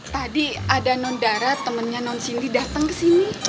tadi ada non darat temennya non cindy datang ke sini